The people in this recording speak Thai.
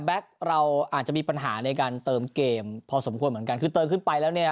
เราอาจจะมีปัญหาในการเติมเกมพอสมควรเหมือนกันคือเติมขึ้นไปแล้วเนี่ย